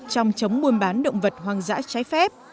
trong chống buôn bán động vật hoang dã trái phép